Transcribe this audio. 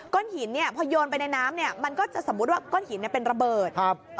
ก้นหินพอโยนไปในน้ำมันก็จะสมมุติว่าก้นหินเป็นระเบิด